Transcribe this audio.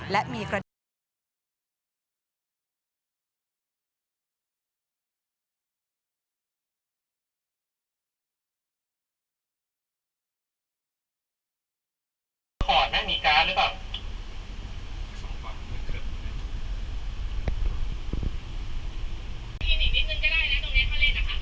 ส่วนข้อมีการหรือเปล่า